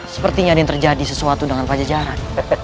sepertinya ada yang terjadi sesuatu dengan pajajaran